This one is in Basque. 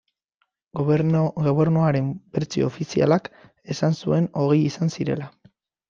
Gobernuaren bertsio ofizialak esan zuen hogei izan zirela.